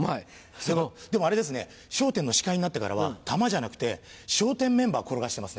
でもあれですね『笑点』の司会になってからは球じゃなくて笑点メンバー転がしてますね。